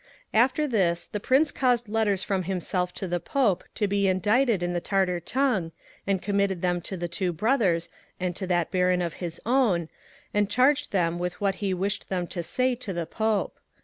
After this the Prince caused letters from himself to the Pope to be indited in the Tartar tongue,^ and committed them to the Two Brothers and to that Baron of his own, and charged them with what he wished them to say to the Pope.